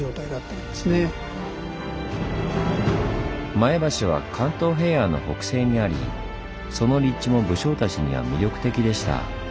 前橋は関東平野の北西にありその立地も武将たちには魅力的でした。